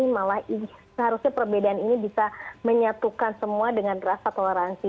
malah seharusnya perbedaan ini bisa menyatukan semua dengan rasa toleransi